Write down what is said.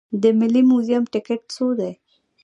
د ملي موزیم ټکټ څو دی؟